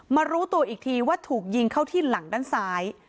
รู้ตัวอีกทีว่าถูกยิงเข้าที่หลังด้านซ้าย